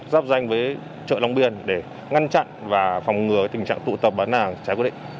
giáp danh với chợ long biên để ngăn chặn và phòng ngừa tình trạng tụ tập bán hàng trái quy định